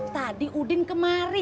tadi udin kemarin